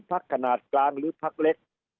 ขนาดกลางหรือพักเล็ก